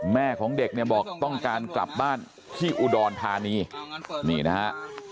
แม่ของเด็กเนี่ยบอกต้องการกลับบ้านที่อุดรธานีนี่นะฮะ